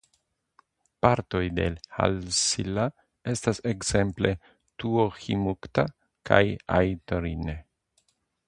Partoj de Halssila estas ekzemple Tuohimutka kaj Aittorinne.